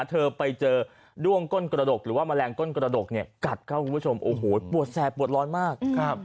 เธอไปเจอด้วงก้นกระดกหรือว่าแมลงก้นกระดกเนี่ยกัดเข้าคุณผู้ชมโอ้โหปวดแสบปวดร้อนมากครับ